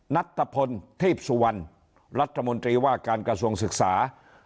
นัทธพลทีพสุวรรณรัฐมนตรีว่าการกระทรวงศึกษา